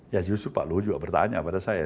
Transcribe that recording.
ya justru pak luhut juga bertanya pada saya